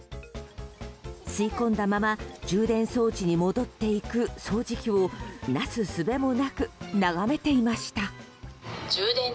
吸い込んだまま充電装置に戻っていく掃除機をなすすべもなく眺めていました。